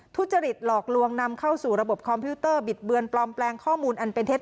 ทุจริตหลอกลวงนำเข้าสู่ระบบคอมพิวเตอร์บิดเบือนปลอมแปลงข้อมูลอันเป็นเท็จ